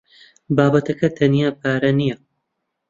بابەتەکە تەنیا پارە نییە.